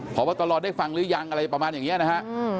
พบตรได้ฟังหรือยังอะไรประมาณอย่างนี้นะฮะ